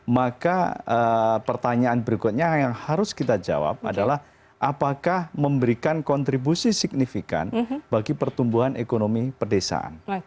maka pertanyaan berikutnya yang harus kita jawab adalah apakah memberikan kontribusi signifikan bagi pertumbuhan ekonomi pedesaan